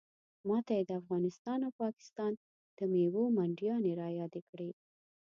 ماته یې د افغانستان او پاکستان د میوو منډیانې رایادې کړې.